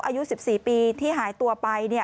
อายุ๑๔ปีที่หายตัวไป